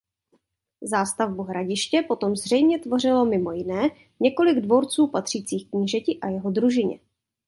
Zástavbu hradiště potom zřejmě tvořilo mimo jiné několik dvorců patřících knížeti a jeho družině.